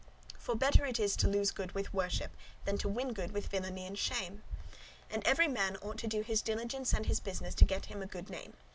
For better it is to lose good with worship [honour], than to win good with villainy and shame. And every man ought to do his diligence and his business to get him a good name.